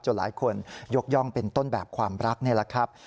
หลายคนยกย่องเป็นต้นแบบความรักนี่แหละครับ